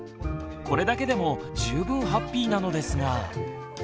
これだけでも十分ハッピーなのですが。